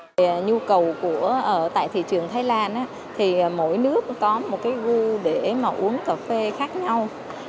về nhu cầu tại thị trường thái lan mỗi nước có một gu để uống cà phê khác nhau